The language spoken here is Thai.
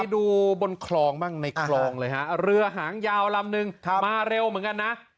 ดูบนคลองบ้างในคลองเลยฮะเรือหางยาวลำนึงมาเร็วเหมือนกันนะ